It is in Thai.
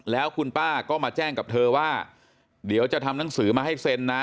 แล้วคุณป้าก็มาแจ้งกับเธอว่าเดี๋ยวจะทำหนังสือมาให้เซ็นนะ